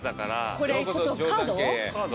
これちょっとカード？